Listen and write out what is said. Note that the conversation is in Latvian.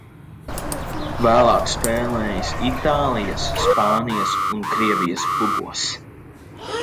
Vēlāk spēlējis Itālijas, Spānijas un Krievijas klubos.